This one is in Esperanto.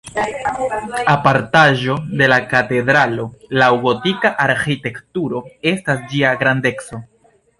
Apartaĵo de la katedralo laŭ gotika arĥitekturo estas ĝia grandeco.